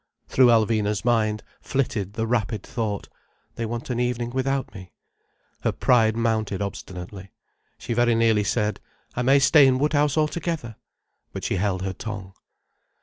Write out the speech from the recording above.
Through Alvina's mind flitted the rapid thought—"They want an evening without me." Her pride mounted obstinately. She very nearly said—"I may stay in Woodhouse altogether." But she held her tongue.